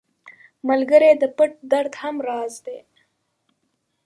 ملګری د پټ درد هم راز دی